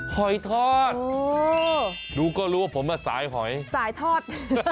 หอยทอดดูก็รู้ว่าผมสายหอยสายทอด